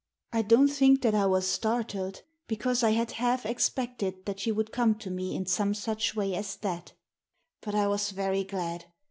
I don't think that I was startled, because I had half expected that she would come to me in some such way as that But I was very glad.